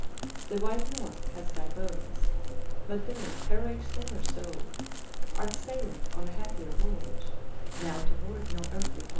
The White North has thy bones. But thou, heroic sailor soul, Art sailing on a happier voyage, Now toward no earthly pole."